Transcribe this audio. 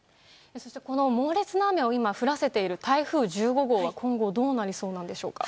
そして、猛烈な雨を降らせている台風１５号は今後、どうなりそうでしょうか。